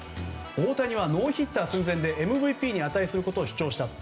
オオタニはノーヒッター寸前でＭＶＰに値することを主張したと。